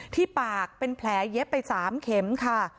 ที่ปากเป็นแผลเย็บไป๓เข็มค่ะ